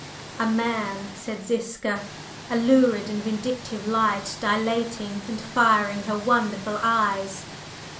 …" "A man!" said Ziska, a lurid and vindictive light dilating and firing her wonderful eyes.